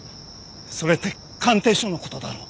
それって鑑定書の事だろう？